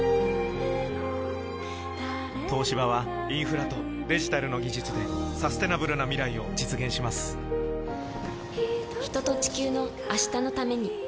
東芝はインフラとデジタルの技術でサステナブルな未来を実現します人と、地球の、明日のために。